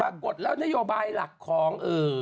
ปรากฏแล้วนโยบายหลักของ